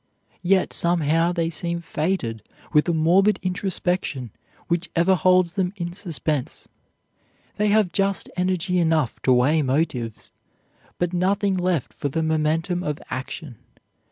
Yet somehow they seem fated with a morbid introspection which ever holds them in suspense. They have just energy enough to weigh motives, but nothing left for the momentum of action.